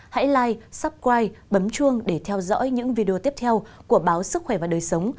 hãy like subscribe bấm chuông để theo dõi những video tiếp theo của báo sức khỏe và đời sống